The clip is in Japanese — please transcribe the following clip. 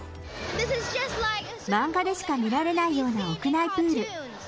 漫画でしか見られないような屋内プール。